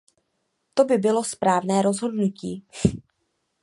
To by bylo správné rozhodnutí.